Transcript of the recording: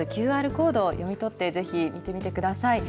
ＱＲコードを読み取って、ぜひ見てみてください。